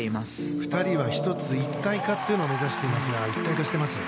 ２人は１つ一体化というのを目指していますが一体化していますね。